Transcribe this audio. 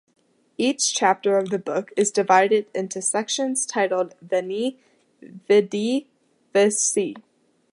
Each chapter of the book is divided into sections titled Veni, Vidi, Vici.